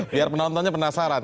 biar penontonnya penasaran